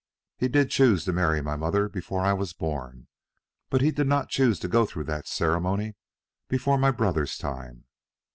He did choose to marry my mother before I was born, but did not choose to go through that ceremony before my brother's time.